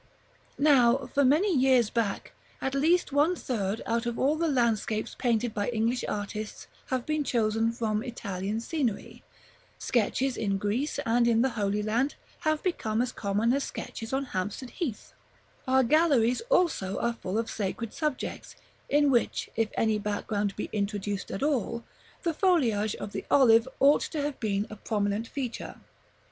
Now, for many years back, at least one third out of all the landscapes painted by English artists have been chosen from Italian scenery; sketches in Greece and in the Holy Land have become as common as sketches on Hampstead Heath; our galleries also are full of sacred subjects, in which, if any background be introduced at all, the foliage of the olive ought to have been a prominent feature.